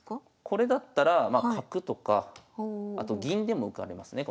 これだったらまあ角とかあと銀でも受かりますね